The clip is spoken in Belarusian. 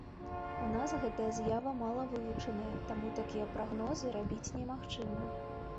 У нас гэтая з'ява малавывучаная, таму такія прагнозы рабіць немагчыма.